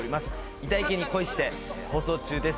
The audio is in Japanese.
『イタイケに恋して』放送中です